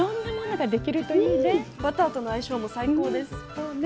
そうね。